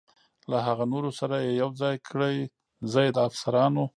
له هغه نورو سره یې یو ځای کړئ، زه یې د افسرانو.